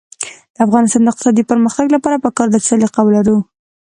د افغانستان د اقتصادي پرمختګ لپاره پکار ده چې سلیقه ولرو.